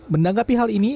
mendanggapi hal ini